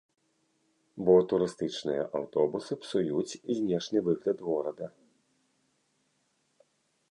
Бо турыстычныя аўтобусы псуюць знешні выгляд горада.